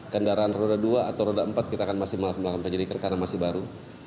kendaraan roda dua atau roda empat kita akan masih melakukan penyelidikan karena masih baru